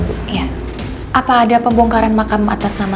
terima kasih ma